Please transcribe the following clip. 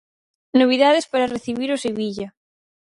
Novidades para recibir o Sevilla.